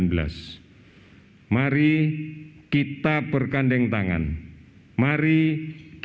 melalui credo maore keuang geuang